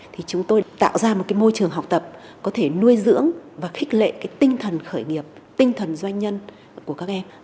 thì chúng tôi tạo ra một cái môi trường học tập có thể nuôi dưỡng và khích lệ tinh thần khởi nghiệp tinh thần doanh nhân của các em